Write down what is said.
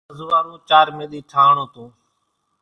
انزوئارو چارمي ۮي ٺۿاڻون تون